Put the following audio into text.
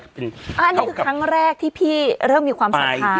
อันนี้คือครั้งแรกที่พี่เริ่มมีความสัมภาษณ์ถูกไหม